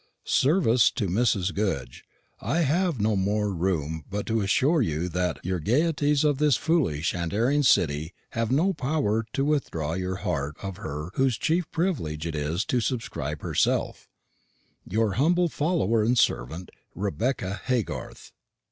Service to Mrs. Goodge. I have no more room but to assure you that y'r gayeties of this foolish and erring citty have no power to withdraw y'r heart of her whose chief privilege it is to subscribe herself, "Your humble follower and servant." "Rebecca Haygarth."